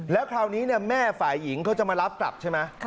แล้วคราวนี้แม่ฝ่ายหญิงเขาจะมารับกลับใช่ไหม